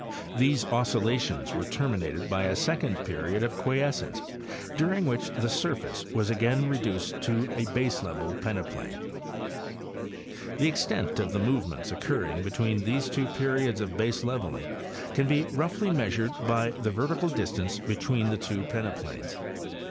These oscillations were terminated by a second period of quiescence, during which the surface was again reduced to a base level peneplain. ; The extent of the movements occurring between these two periods of baseleveling can be roughly measured by the vertical 84 Hayes and Campbhell—Appalachian Geomorphology. distance between the two peneplains.